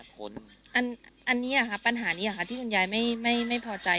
จเรนนี่ปัญหานี้ค่ะที่หุ้นยายวูอตย์ไม่พอใจ